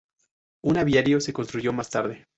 Un aviario se construyó más tarde.